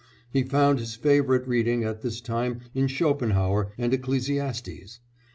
He found his favourite reading at this time in Schopenhauer and Ecclesiastes.